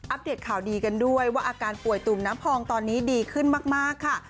เดตข่าวดีกันด้วยว่าอาการป่วยตุ่มน้ำพองตอนนี้ดีขึ้นมากค่ะ